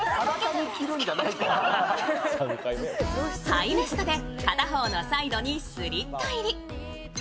ハイウエストで片方のサイドにスリット入り。